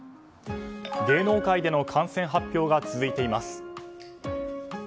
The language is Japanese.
芸能界での感染発表が続いています。